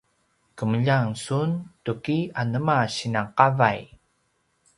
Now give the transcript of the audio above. kemljang sun tuki anema sinan qavay?